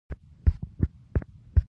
خو چا د هغه مخ نه و لیدلی.